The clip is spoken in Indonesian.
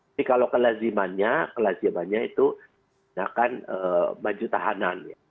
tapi kalau kelagimannya kelagimannya itu bahkan baju tahanan